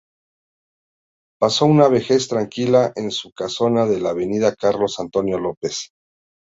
Pasó una vejez tranquila en su casona de la avenida Carlos Antonio López.